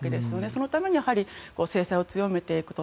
そのために制裁を強めていくと。